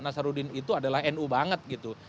nasarudin itu adalah nu banget gitu